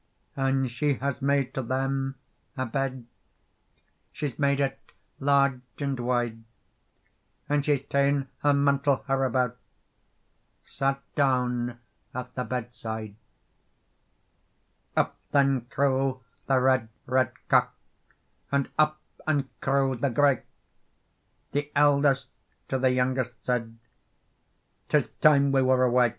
And she has made to them a bed, She's made it large and wide; And she's taen her mantle her about, Sat down at the bedside. Up then crew the red, red cock, And up and crew the gray; The eldest to the youngest said, "'Tis time we were away."